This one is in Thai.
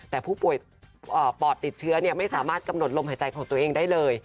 แต่ผู้ป่วยปอดติดเชื้อไม่สามารถกำหนดลมหายใจของตัวเองได้เลย